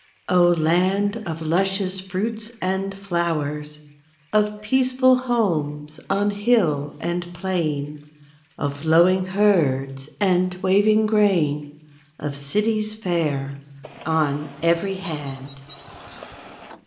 0, land of luscious fruits and flowers. Of peaceful homes on hill and plain. Of lowing herds and waving grain. Of cities fair, on every hand.